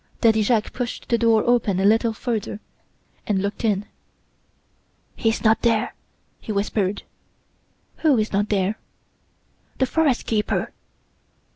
Daddy Jacques pushed the door open a little further and looked in. "'He's not there!" he whispered. "Who is not there?" "The forest keeper."